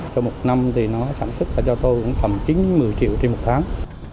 cho một năm thì nó sản xuất là cho tôi cũng tầm chín một mươi triệu tiền một tháng